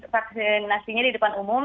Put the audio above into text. vaksinasinya di depan umum